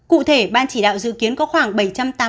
cụ thể ban chỉ đạo phòng chống dịch covid một mươi chín tp hcm